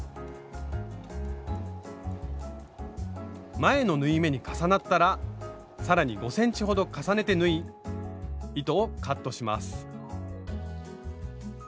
前の縫い目に重なったら更に５ｃｍほど重ねて縫い糸をカットします。